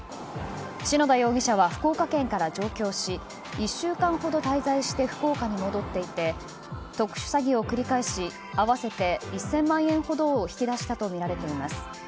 篠田容疑者は、福岡県から上京し１週間ほど滞在して福岡に戻っていて特殊詐欺を繰り返し合わせて１０００万円ほどを引き出したとみられています。